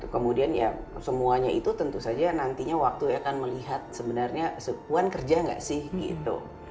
kemudian ya semuanya itu tentu saja nantinya waktu akan melihat sebenarnya puan kerja nggak sih gitu